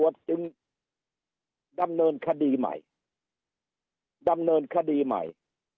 จึงดำเนินคดีใหม่